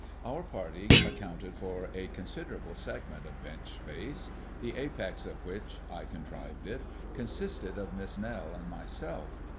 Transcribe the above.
Our party accounted for a considerable segment of bench space, the apex of which, I contrived it, consisted of Miss Nell and myself.